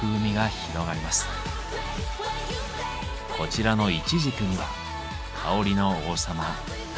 こちらのイチジクには香りの王様カルダモンが。